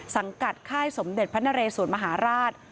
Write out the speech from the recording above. สังกัดค่ายสมเด็จพระนเรสวนมหาราช